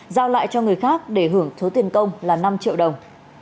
giao lại cho người khác để hưởng số tiền công là năm triệu đồng